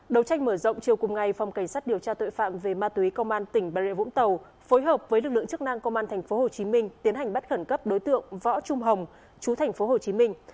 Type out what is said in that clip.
đầu tranh mở rộng chiều cùng ngày phòng cảnh sát điều tra tội phạm về ma túy công an tỉnh bà rịa vũng tàu phối hợp với lực lượng chức năng công an tp hcm tiến hành bắt khẩn cấp đối tượng võ trung hồng chú thành phố hồ chí minh